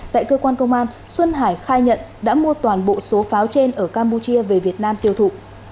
tại cơ quan công an xuân hải khai nhận đã mua toàn bộ số pháo trên ở campuchia về việt nam tiêu thụ